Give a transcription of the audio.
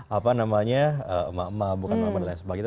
apa namanya emak emak bukan emak emak yang sebagainya